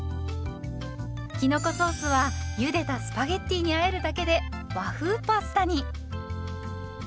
きのこソースはゆでたスパゲッティにあえるだけで和風パスタに。